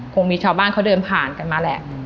คงมีชาวบ้านเขาเดินผ่านกันมาแหละ